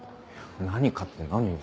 何かって何を？